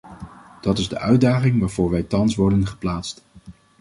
Dat is de uitdaging waarvoor wij thans worden geplaatst.